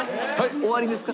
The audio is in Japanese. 終わりですか？